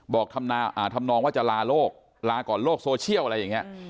ทำนองว่าจะลาโลกลาก่อนโลกโซเชียลอะไรอย่างนี้